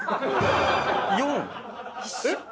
４？えっ？